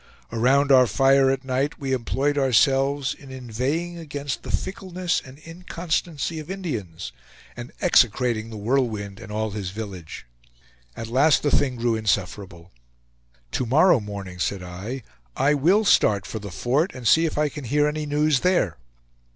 Around our fire at night we employed ourselves in inveighing against the fickleness and inconstancy of Indians, and execrating The Whirlwind and all his village. At last the thing grew insufferable. "To morrow morning," said I, "I will start for the fort, and see if I can hear any news there."